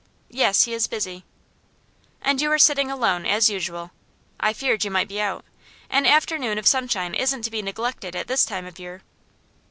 'Yes, he is busy.' 'And you are sitting alone, as usual. I feared you might be out; an afternoon of sunshine isn't to be neglected at this time of year.